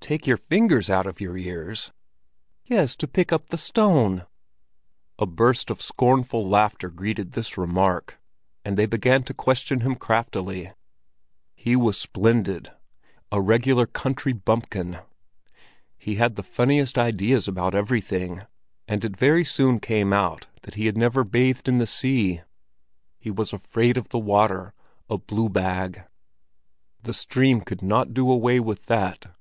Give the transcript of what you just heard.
"Take your fingers out of your ears?" "Yes, to pick up the stone." A burst of scornful laughter greeted this remark, and they began to question him craftily; he was splendid—a regular country bumpkin! He had the funniest ideas about everything, and it very soon came out that he had never bathed in the sea. He was afraid of the water —a "blue bag"; the stream could not do away with that.